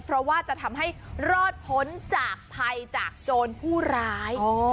เพราะว่าจะทำให้รอดพ้นจากภัยจากโจรผู้ร้าย